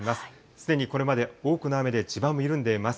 すでにこれまで多くの雨で地盤も緩んでいます。